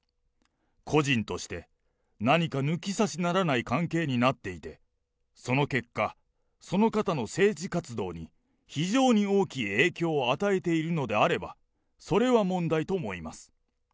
個人として、何か抜き差しならない関係になっていて、その結果、その方の政治活動に非常に大きい影響を与えているのであれば、それは問題と思います。